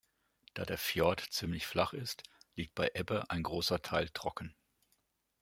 Da der Fjord ziemlich flach ist, liegt bei Ebbe ein großer Teil trocken.